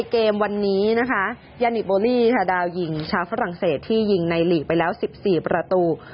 เกมวันนี้นะคะยานิบโบลี่ค่ะดาวยิงชาวฝรั่งเศสที่ยิงในหลีกไปแล้ว๑๔ประตู